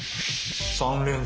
３連続。